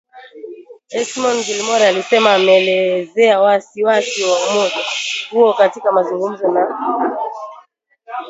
Eamon Gilmore alisema ameelezea wasi wasi wa umoja huo katika mazungumzo na